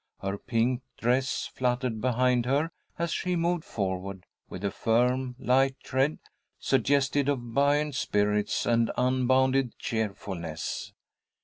Her pink dress fluttered behind her as she moved forward, with a firm, light tread, suggestive of buoyant spirits and unbounded cheerfulness.